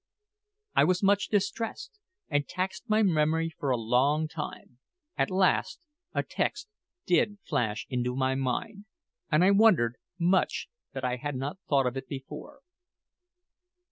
I was much distressed, and taxed my memory for a long time. At last a text did flash into my mind, and I wondered much that I had not thought of it before.